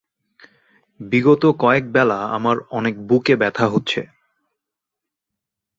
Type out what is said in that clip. বিগত কয়েক বেলা আমার অনেক বুকে ব্যথা হচ্ছে।